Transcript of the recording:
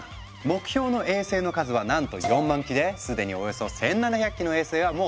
目標の衛星の数はなんと４万基ですでにおよそ１，７００基の衛星はもう飛ばし終えてるの。